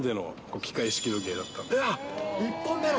１本目の？